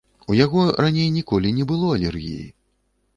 У яго раней ніколі не было алергіі.